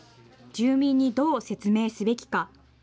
住民にどう説明すべきか。